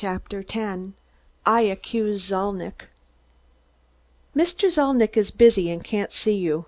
CHAPTER TEN I ACCUSE ZALNITCH "Mr. Zalnitch is busy and can't see you."